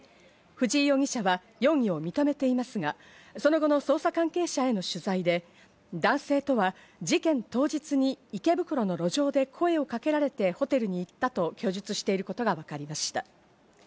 藤井容疑者は容疑を認めていますが、その後の捜査関係者への取材で、男性とは事件当日に池袋の路上で声をかけられてホテルに行ったと供述していることが分かりました。